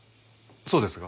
そうですが。